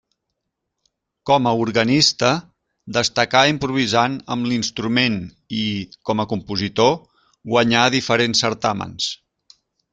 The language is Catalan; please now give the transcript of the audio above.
Com a organista, destacà improvisant amb l'instrument i, com a compositor, guanyà diferents certàmens.